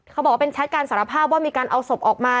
เขาบอกว่าเป็นแชทการสารภาพว่ามีการเอาศพออกมา